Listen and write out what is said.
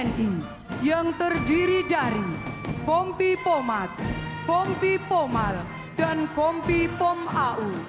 selanjutnya batalion kabupaten kedua